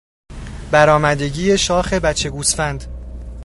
برآمدگی شاخ بچه گوسفند